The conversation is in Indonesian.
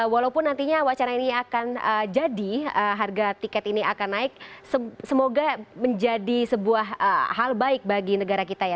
walaupun nantinya wacana ini akan jadi harga tiket ini akan naik semoga menjadi sebuah hal baik bagi negara kita ya